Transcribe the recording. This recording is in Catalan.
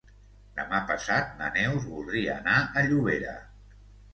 Demà passat na Neus voldria anar a Llobera.